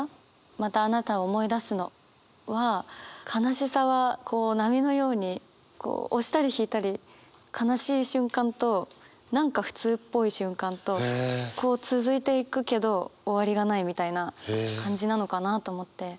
悲しさは波のように押したり引いたり悲しい瞬間と何か普通っぽい瞬間とこう続いていくけど終わりがないみたいな感じなのかなと思って。